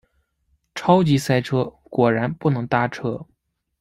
超级塞车，果然不能搭车